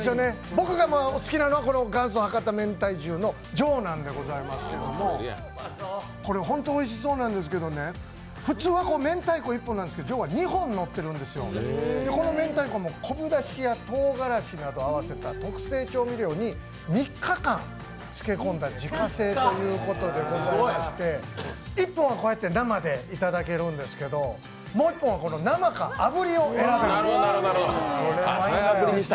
僕が好きなのは元祖博多めんたい重・上なんでございますけどこれほんとおいしそうなんですけど、普通はめんたいこ１本なんですが上は２本載ってるんですよ、このめんたいこも昆布だしやとうがらしなど合わせた特製調味料に３日間漬け込んだものでして、１本はこうやって生でいただけるんですけどもう１本は生かあぶりを選んでのせられるんです。